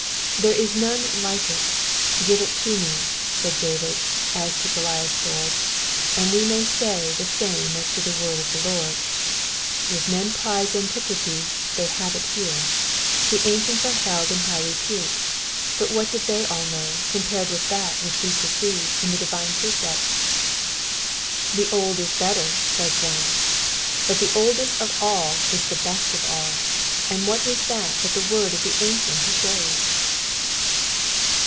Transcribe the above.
" There is none like it : give it me," said David as to Goliath's sword, and we may say the same as to the word of the Lord. If men prize antiquity they have it here. The ancients are had in high repute, but what did they all know compared with that which we perceive in the divine Digitized by VjOOQIC PSALM ONE HUNDRED AND KINBTEEN— VEBSES 97 TO 104. 231 precepts? "The old is better'* says one: but the oldest of all is the best of all, and what is that bat the word of the Ancient of days